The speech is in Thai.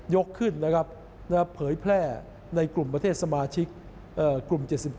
ยกขึ้นนะครับเผยแพร่ในกลุ่มประเทศสมาชิกกลุ่ม๗๗